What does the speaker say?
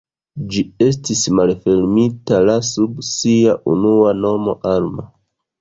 Ĝi estis malfermita la sub sia unua nomo Alma.